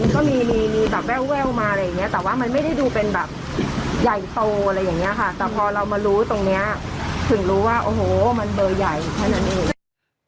ก็มีมีแบบแววมาอะไรอย่างเงี้แต่ว่ามันไม่ได้ดูเป็นแบบใหญ่โตอะไรอย่างนี้ค่ะแต่พอเรามารู้ตรงเนี้ยถึงรู้ว่าโอ้โหมันเบอร์ใหญ่แค่นั้นเอง